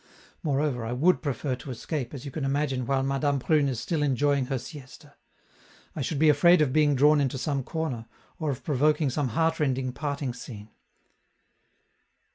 Moreover, I would prefer to escape, as you can imagine, while Madame Prune is still enjoying her siesta; I should be afraid of being drawn into some corner, or of provoking some heartrending parting scene."